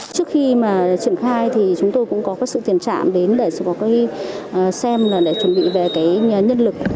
trước khi triển khai chúng tôi cũng có sự tiền trạm để xem chuẩn bị về nhân lực